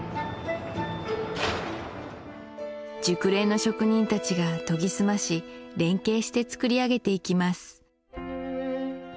熟練の職人達が研ぎ澄まし連携して作り上げていきます